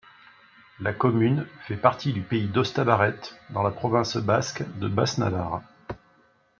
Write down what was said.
La commune fait partie du pays d'Ostabarret, dans la province basque de Basse-Navarre.